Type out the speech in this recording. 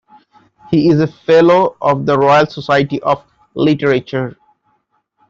He is a Fellow of the Royal Society of Literature.